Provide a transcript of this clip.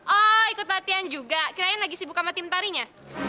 oh ikut latihan juga kalian lagi sibuk sama tim tarinya